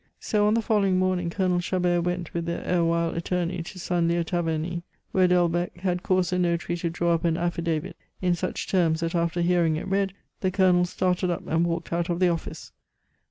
So on the following morning Colonel Chabert went with the erewhile attorney to Saint Leu Taverny, where Delbecq had caused the notary to draw up an affidavit in such terms that, after hearing it read, the Colonel started up and walked out of the office.